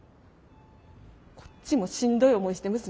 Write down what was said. こっちもしんどい思いして娘